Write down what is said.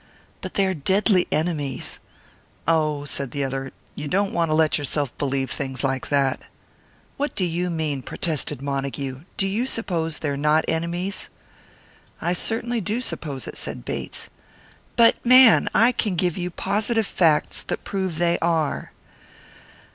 "But they are deadly enemies!" "Oh," said the other, "you don't want to let yourself believe things like that." "What do you mean?" protested Montague. "Do you suppose they're not enemies?" "I certainly do suppose it," said Bates. "But, man! I can give you positive facts that prove they are."